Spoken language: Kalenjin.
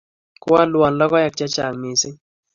Koalwon logoek chechang' missing'